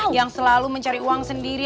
yang selalu mencari uang sendiri